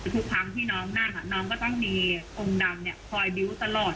ทุกครั้งที่น้องนั่งน้องก็ต้องมีองค์ดำคอยบิ้วตลอด